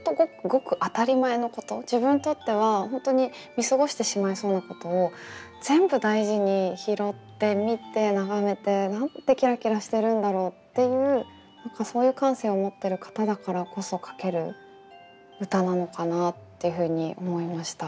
ごく当たり前のこと自分にとっては本当に見過ごしてしまいそうなことを全部大事に拾って見て眺めてなんてキラキラしてるんだろうっていうそういう感性を持ってる方だからこそ書ける歌なのかなっていうふうに思いました。